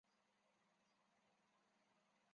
权臣郑检拥立黎除的后裔黎维邦做皇帝。